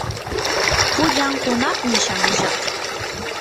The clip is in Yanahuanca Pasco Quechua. pullan hunaqmi shamushaq.